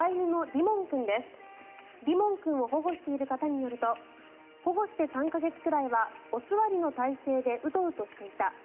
リモン君を保護している方によると保護して３か月くらいはお座りの体勢でウトウトしていた。